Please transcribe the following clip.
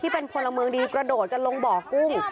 เป็นพลเมืองดีกระโดดกันลงบ่อกุ้ง